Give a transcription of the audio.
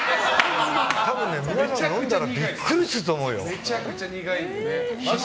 多分、皆さん飲んだらビックリすると思うよ。